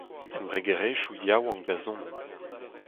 Embregerezhioù yaouank da zont.